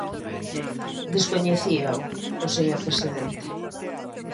Descoñecíao o señor presidente.